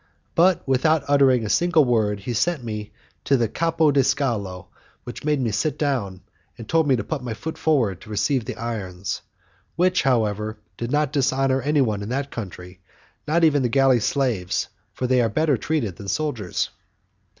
But, without uttering a single word, he sent me to the 'capo di scalo' who made me sit down, and told me to put my foot forward to receive the irons, which, however, do not dishonour anyone in that country, not even the galley slaves, for they are better treated than soldiers.